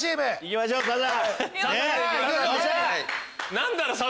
何だろう？